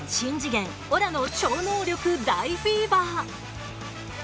オラの超能力大フィーバー。